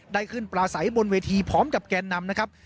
ได้ขึ้นปลาใสบนเวทีพร้อมกับแกนนำนะครับ